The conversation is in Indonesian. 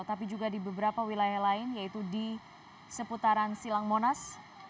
tapi juga di beberapa wilayah lain yaitu di seputaran silang monas